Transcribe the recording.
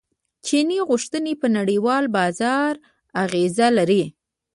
چیني غوښتنې په نړیوال بازار اغیز لري.